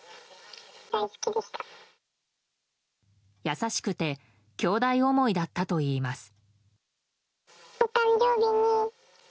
優しくてきょうだい思いだったといいます。